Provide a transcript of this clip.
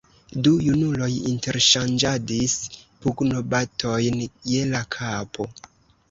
Du junuloj interŝanĝadis pugnobatojn je la kapo.